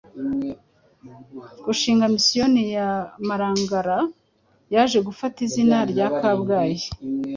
gushinga Misiyoni ya Marangara yaje gufata izina rya Kabgayi